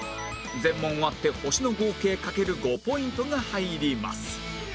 全問終わって星の合計掛ける５ポイントが入ります